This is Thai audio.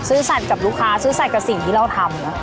สัตว์กับลูกค้าซื่อสัตว์กับสิ่งที่เราทำ